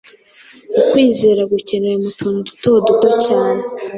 Ukwizera gukenewe mu tuntu duto cyane